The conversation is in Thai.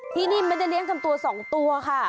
ที่นี่มันได้เลี้ยงถึงนักชดใจสองตัวค่ะ